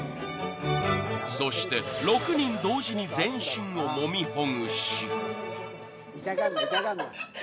［そして６人同時に全身をもみほぐし］